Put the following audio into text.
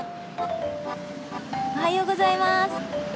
おはようございます！